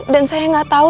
dan saya gak tau